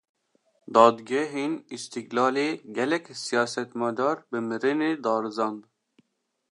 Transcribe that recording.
Dadgehên Îstîklalê, gelek siyasetmedar bi mirinê darizand